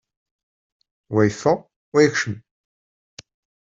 Wa yeffeɣ, wa yekcem.